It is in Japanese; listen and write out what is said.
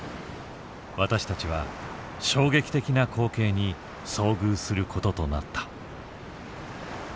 私たちは衝撃的な光景に遭遇することとなった。